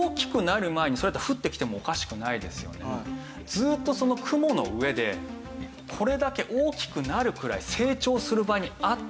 ずっと雲の上でこれだけ大きくなるくらい成長する場にあった。